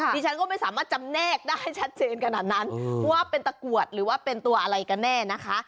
ดิฉันก็ไม่สามารถจำแนกได้ชัดเจนขนาดนั้นว่าเป็นตะกรวดหรือว่าเป็นตัวอะไรกันแน่นะคะ